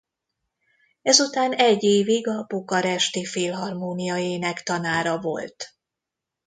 Ezután egy évig a bukaresti Filharmónia énektanára volt.